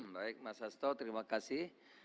baik mas hasto terima kasih